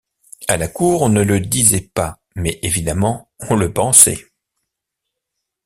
À la cour on ne le disait pas, mais évidemment on le pensait.